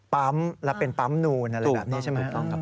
ปั้มและเป็นปั้มโน้นอันดับนี้ใช่ไหม